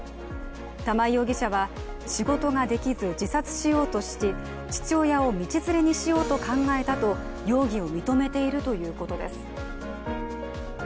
玉井容疑者は、仕事ができず自殺しようとし父親を道連れにしようと考えたと容疑を認めているということです。